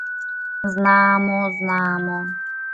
— Знамо, знамо.